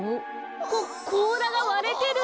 ここうらがわれてる！